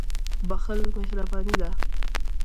• بښل مهرباني ده.